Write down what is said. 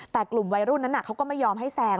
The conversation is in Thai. แต่กลุ่มวัยรุ่นนั้นเขาก็ไม่ยอมให้แซง